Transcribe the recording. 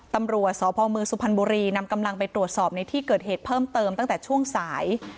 ตำรวจสพเมืองสุพรรณบุรีนำกำลังไปตรวจสอบในที่เกิดเหตุเพิ่มเติมตั้งแต่ช่วงสาย